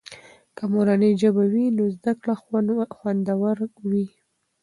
که مورنۍ ژبه وي نو زده کړه خوندور وي.